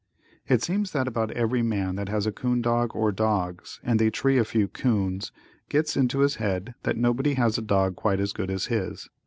It seems that about every man that has a 'coon dog or dogs and they tree a few 'coons, gets it into his head that nobody has a dog quite as good as his.